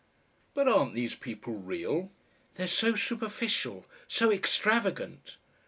"But aren't these people real?" "They're so superficial, so extravagant!"